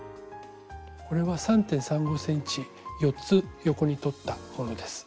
これは３．３５ｃｍ４つ横に取ったものです。